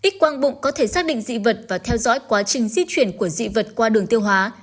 x quang bụng có thể xác định dị vật và theo dõi quá trình di chuyển của dị vật qua đường tiêu hóa